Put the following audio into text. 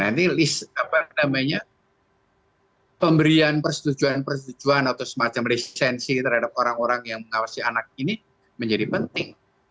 nah ini pemberian persetujuan persetujuan atau semacam lisensi terhadap orang orang yang mengawasi anak ini menjadi penting